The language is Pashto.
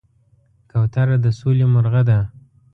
کوتره د سولې مرغه ده.